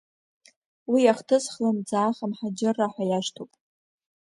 Уи ахҭыс хлымӡаах амҳаџьырра ҳәа иашьҭоуп.